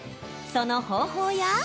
その方法や。